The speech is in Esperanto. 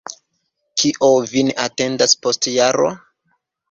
Kio vin atendas post jaro?